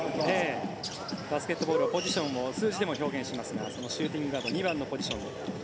バスケットボールポジションを数字でも表示しますがシューティングガード２番のポジション。